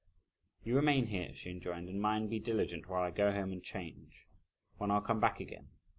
"You remain here," she enjoined, "and mind, be diligent while I go home and change; when I'll come back again.